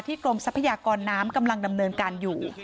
กรมทรัพยากรน้ำกำลังดำเนินการอยู่